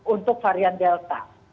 untuk varian delta